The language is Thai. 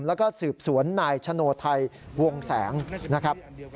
แล้วก็สืบสวนนายชโนไทยวงแสงนะครับ